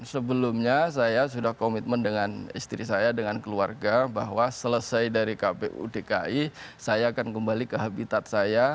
sebelumnya saya sudah komitmen dengan istri saya dengan keluarga bahwa selesai dari kpu dki saya akan kembali ke habitat saya